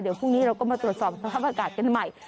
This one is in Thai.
เดี๋ยวพรุ่งนี้เราก็มาตรวจสอบสภาพอากาศกันใหม่